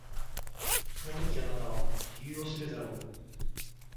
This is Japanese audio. その時あなたは理由を知るだろう。